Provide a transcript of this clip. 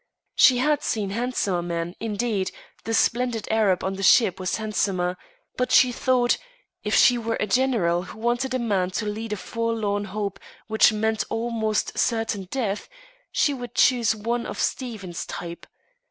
She had seen handsomer men indeed, the splendid Arab on the ship was handsomer but she thought, if she were a general who wanted a man to lead a forlorn hope which meant almost certain death, she would choose one of Stephen's type.